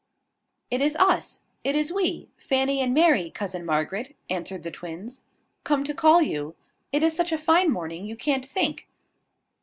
"It is us it is we, Fanny and Mary, cousin Margaret," answered the twins, "come to call you. It is such a fine morning, you can't think.